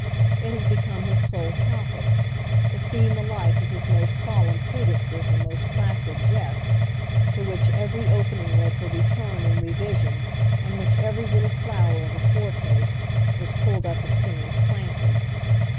It had become his sole topic, the theme alike of his most solemn prudences and most placid jests, to which every opening led for return and revision and in which every little flower of a foretaste was pulled up as soon as planted.